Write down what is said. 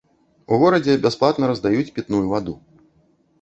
У горадзе бясплатна раздаюць пітную ваду.